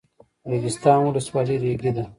ریګستان ولسوالۍ ریګي ده؟